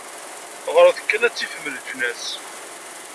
Ɣret kan, ad tifem leǧnas.